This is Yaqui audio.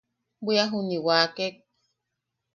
Bwia juni wakek.